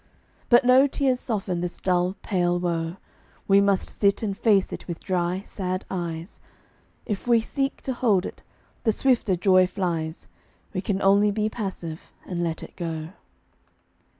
But no tears soften this dull, pale woe; We must sit and face it with dry, sad eyes. If we seek to hold it, the swifter joy flies We can only be passive, and let it go.